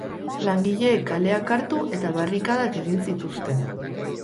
Langileek kaleak hartu eta barrikadak barrikadak egin zituzten.